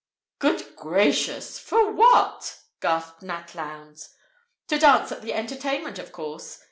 "Good gracious, for what?" gasped Nat Lowndes. "To dance at the entertainment, of course.